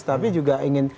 tapi juga ingin